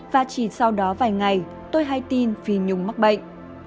và chỉ sau đó vài ngày tôi hay tin vì nhung mắc bệnh